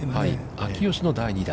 秋吉の第２打。